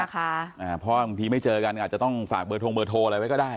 เพราะว่าบางทีไม่เจอกันอาจจะต้องฝากเบอร์ทงเบอร์โทรอะไรไว้ก็ได้